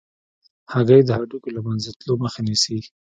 هګۍ د هډوکو له منځه تلو مخه نیسي.